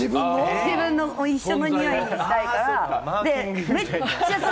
自分と一緒ににおいにしたいから。